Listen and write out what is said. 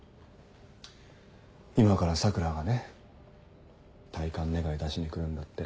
今から桜がね退官願出しに来るんだって。